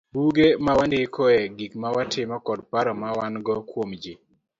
Buge ma wandikoe gik ma watimo kod paro ma wan go kuom ji.